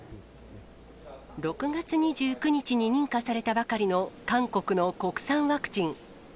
６月２９日に認可されたばかりの韓国の国産ワクチン。